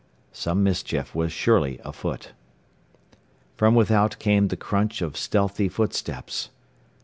Some mischief was surely afoot. From without came the crunch of stealthy footsteps.